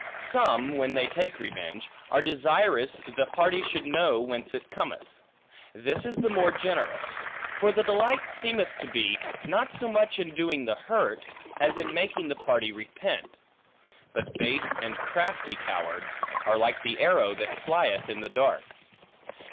Some, when they take revenge, are desirous, the party should know, whence it cometh. This is the more generous. For the delight seemeth to be, not so much in doing the hurt, as in making the party repent. But base and crafty cowards, are like the arrow that flieth in the dark.